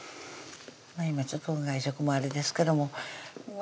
今ちょっと外食もあれですけどもうわ